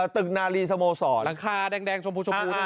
ตึกนาลีสโมสรหลังคาแดงชมพู